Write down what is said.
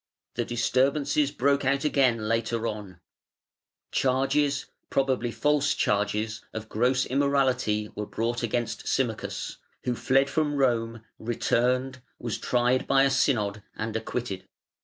The disturbances broke out again later on; charges, probably false charges, of gross immorality were brought against Symmachus, who fled from Rome, returned, was tried by a Synod, and acquitted.